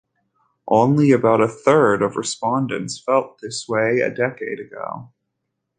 Only about a third of respondents felt this way a decade ago.